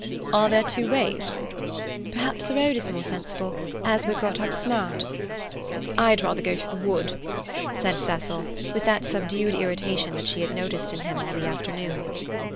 "Are there two ways?" "Perhaps the road is more sensible, as we're got up smart." "I'd rather go through the wood," said Cecil, With that subdued irritation that she had noticed in him all the afternoon.